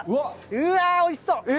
うわー、おいしそう。